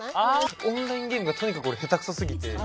オンラインゲームがとにかく俺下手くそすぎて。